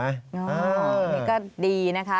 อ๋อนี่ก็ดีนะคะ